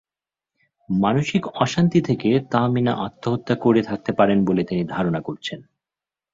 মানসিক অশান্তি থেকে তাহমিনা আত্মহত্যা করে থাকতে পারেন বলে তিনি ধারণা করছেন।